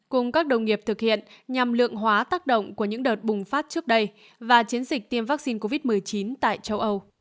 cùng các đồng nghiệp thực hiện nhằm lượng hóa tác động của những đợt bùng phát trước đây và chiến dịch tiêm vaccine covid một mươi chín tại châu âu